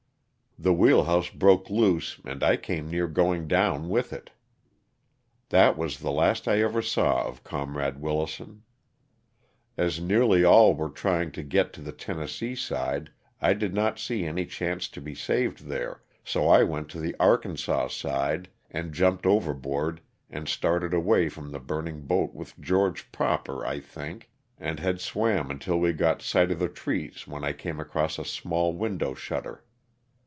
The wheel house broke loose and I came near going down with it. That was the last I ever saw of Comrade Wilison. As nearly all were trying to get to the Tennessee side I did not see any chance to be saved there, so I went to the Arkansas side and jumped overboard and started away from the burning boat with George Proper, I think, and had swam until we got sight of the trees when I came across a small window shutter.